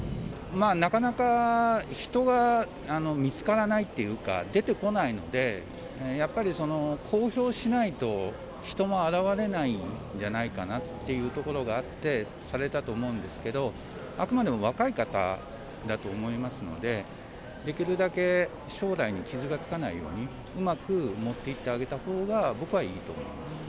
なかなか人が、見つからないっていうか、出てこないので、やっぱり公表しないと人も現れないんじゃないかなっていうところがあって、されたと思うんですけど、あくまでも若い方だと思いますので、できるだけ将来に傷がつかないように、うまくもっていってあげたほうが、僕はいいと思います。